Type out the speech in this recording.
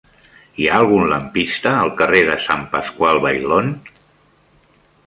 Hi ha algun lampista al carrer de Sant Pasqual Bailón?